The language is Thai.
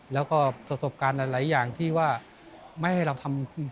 แล้วก็ประสบการณ์หลายอย่างที่ว่าไม่ให้เราทำ